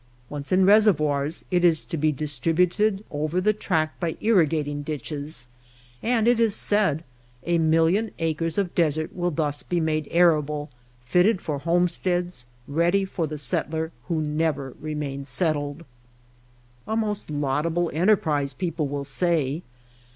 Once in reservoirs it is to be distributed over the tract by irrigating ditches, and it is said a million acres of desert will thus be made arable, fitted for homesteads, ready for the settler who never remains settled. A most laudable enterprise, people will say.